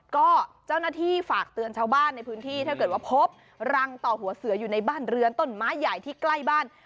ก็เจ้าหน้าที่ฝากเตือนชาวบ้านในพื้นที่ถ้าเกิดว่าพบรังต่อหัวเสืออยู่ในบ้านเรือนต้นไม้ใหญ่ที่ใกล้บ้าน